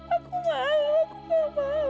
aku mau aku gak mau